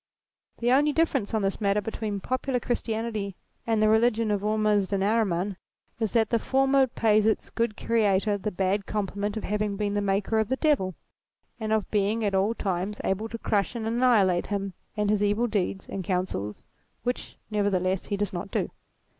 The only difference, on this matter between popular Christianity and the religion of Ormuzd and Ahriman, is that the former 184 THEISM pays its good Creator the bad compliment of having been the maker of the Devil and of being at all times able to crush and annihilate him and his evil deeds and counsels, which nevertheless he does not do.